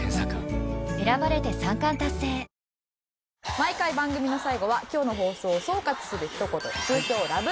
毎回番組の最後は今日の放送を総括するひと言通称ラブ！！